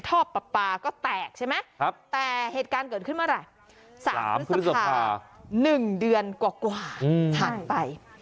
ท่อปลาปลาก็แตกใช่ไหมแต่เหตุการณ์เกิดขึ้นเมื่อไหร่๓พฤษภา๑เดือนกว่าผ่านไป